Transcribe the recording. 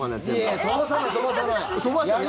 いや飛ばさない、飛ばさない。